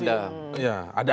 nah ini bagaimana bu